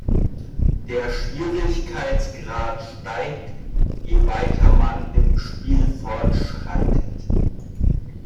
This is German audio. Der Schwierigkeitsgrad steigt, je weiter man im Spiel fortschreitet.